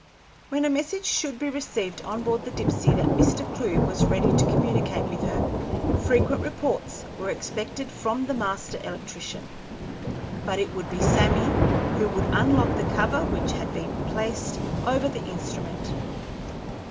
When a message should be received on board the Dipsey that Mr. Clewe was ready to communicate with her, frequent reports were expected from the Master Electrician, but it would be Sammy who would unlock the cover which had been placed over the instrument.